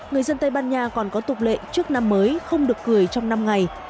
người dân tây ban nha còn có tục lệ trước năm mới không được cười trong năm ngày